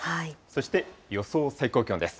そして予想最高気温です。